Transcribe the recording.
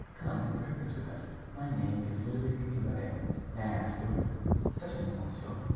Come and breakfast with us. My name is Ludovic Imbert. May I ask yours?" "Certainly, monsieur."